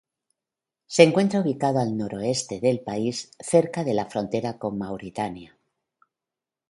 Se encuentra ubicado al noroeste del país, cerca de la frontera con Mauritania.